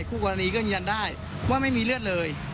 คู่กรณีก็ยืนยันได้ว่าไม่มีเลือดเลย